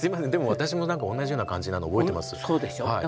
私も同じような感じなの覚えてます。